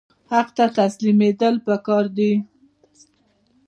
حق ته تسلیمیدل پکار دي